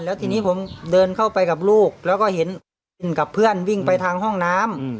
แล้วทีนี้ผมเดินเข้าไปกับลูกแล้วก็เห็นกับเพื่อนวิ่งไปทางห้องน้ำ